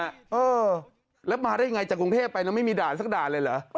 เออแล้วมาได้ไงจากกรุงเทพไปแล้วไม่มีด่านสักด่านเลยเหรอ